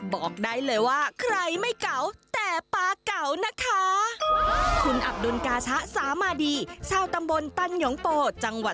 บอกได้เลยว่าใครไม่เก่าแต่ปลาเก่านะคะ